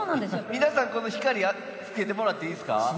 皆さんこの光つけてもらっていいですか？